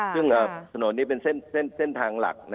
ซึ่งถนนนี้เป็นเส้นทางหลัก